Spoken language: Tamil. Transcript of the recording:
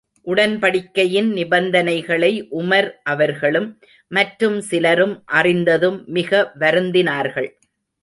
உடன்படிக்கையின் நிபந்தனைகளை உமர் அவர்களும் மற்றும் சிலரும் அறிந்ததும் மிக வருந்தினார்கள்.